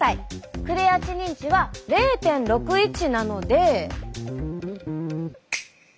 クレアチニン値は０．６１なので。